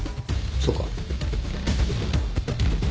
そうか。